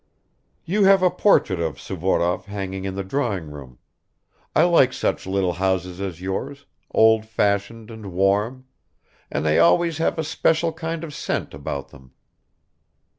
"You have a portrait of Suvorov hanging in the drawing room. I like such little houses as yours, old fashioned and warm; and they always have a special kind of scent about them."